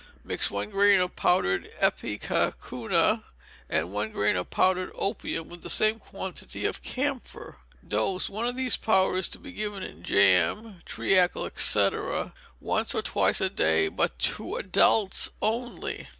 Mix one grain of powdered ipecacuanha, and one grain of powdered opium, with the same quantity of camphor. Dose, one of these powders to be given in jam, treacle, &c., once or twice a day; but to adults only.